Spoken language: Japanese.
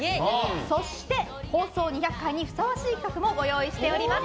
そして、放送２００回にふさわしい企画もご用意しております。